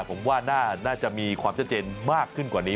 ผมว่าน่าจะมีความชัดเจนมากขึ้นกว่านี้